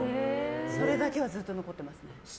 それだけはずっと残ってます。